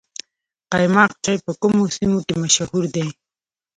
قیماق چای په کومو سیمو کې مشهور دی؟